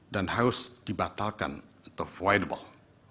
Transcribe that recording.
dan harus dibatalkan atau voidable